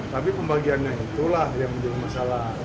tapi pembagiannya itulah yang menjadi masalah